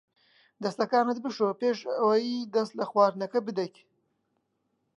دەستەکانت بشۆ پێش ئەوەی دەست لە خواردنەکە بدەیت.